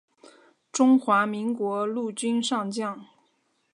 中华民国陆军上将。